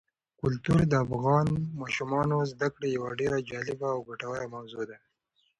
کلتور د افغان ماشومانو د زده کړې یوه ډېره جالبه او ګټوره موضوع ده.